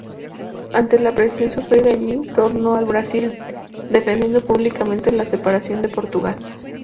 Ante la presión sufrida allí, retornó al Brasil, defendiendo públicamente la separación de Portugal.